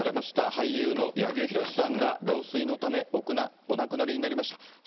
俳優の柳生博さんが老衰のため、お亡くなりになりました。